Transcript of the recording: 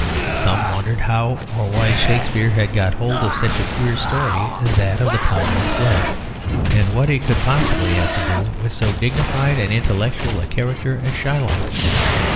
Some wondered how or why Shakespeare had got hold of such a queer story as that of the pound of flesh, and what it could possibly have to do with so dignified and intellectual a character as Shylock.